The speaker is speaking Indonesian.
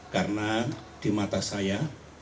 karena di mata saya